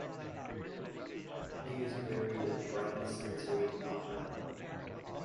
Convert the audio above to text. He is buried at Brighton Cemetery in Melbourne.